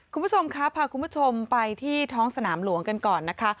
คุณผู้ชมครับพาคุณผู้ชมไปที่ท้องสนามหลวงกันก่อนนะคะ